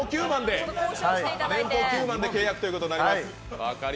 年俸９万で契約ということになります。